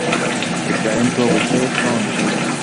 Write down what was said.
ইবরাহীম তো অবশ্যই সহনশীল।